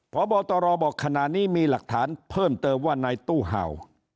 พบตรบอกขณะนี้มีหลักฐานเพิ่มเติมว่านายตู้เห่า